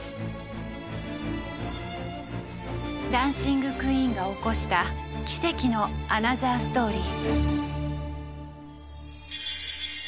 「ダンシング・クイーン」が起こした奇跡のアナザーストーリー。